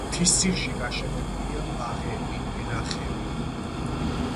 მთისძირში გაშენებულია ბაღები, ვენახები.